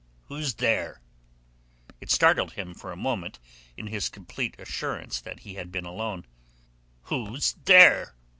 "Who's there?" It startled him for a moment, in his complete assurance that he had been alone. "Who's there?"